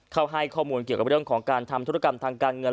เขาให้ข้อมูลเกี่ยวกับเรื่องของการทำธุรกรรมทางการเงิน